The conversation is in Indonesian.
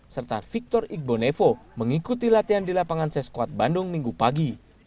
serta victor igbo nevo mengikuti latihan di lapangan seskuad bandung minggu pagi